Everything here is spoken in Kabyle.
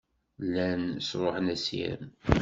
Llan sṛuḥen assirem.